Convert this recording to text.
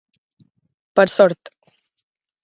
Per sort